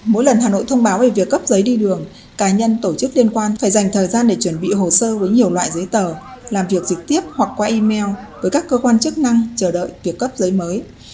mỗi lần hà nội thông báo về việc cấp giấy đi đường cá nhân tổ chức liên quan phải dành thời gian để chuẩn bị hồ sơ với nhiều loại giấy tờ làm việc trực tiếp hoặc qua email với các cơ quan chức năng chờ đợi việc cấp giấy mới